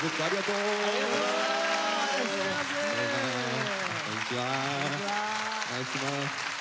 ありがとうございます。